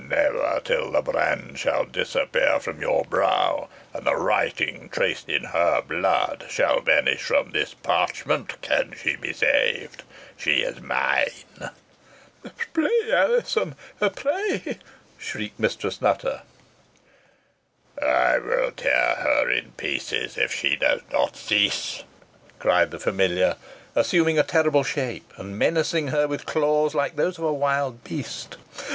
"Never till the brand shall disappear from her brow, and the writing, traced in her blood, shall vanish from this parchment, can she be saved. She is mine." "Pray, Alizon, pray!" shrieked Mistress Nutter. "I will tear her in pieces if she does not cease," cried the familiar, assuming a terrible shape, and menacing her with claws like those of a wild beast.